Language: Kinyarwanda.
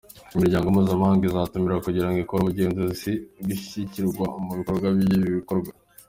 Imiryango mpuzamahanga izatumirwa kugira ngo ikore ubugenzuzi bw’ishyirwa mu bikorwa bw’iki gikorwa.